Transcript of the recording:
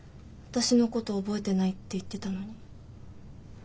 私のこと覚えてないって言ってたのに。